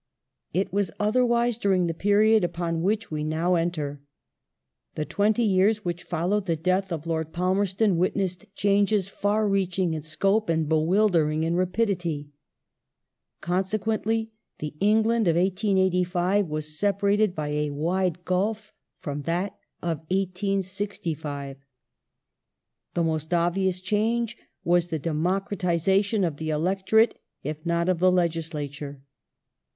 It was otherwise during the period upon which we now enter. The new The twenty years which followed the death of Lord Palmerston ^E°ract r witnessed changes far reaching in scope and bewildering in rapidity, istics Consequently, the England of 1885 was separated by a wide gulf from that of 1865. The most obvious change was the democratiza tion of the electorate, if not of the legislature.